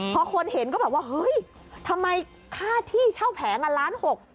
เพราะคนเห็นก็บอกว่าเฮ้ยทำไมค่าที่เช่าแพงล้านหก